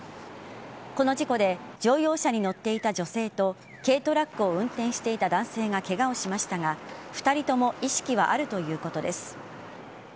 この事故で乗用車に乗っていた女性と軽トラックを運転していた男性がケガをしましたが２人とも意識はあるということです。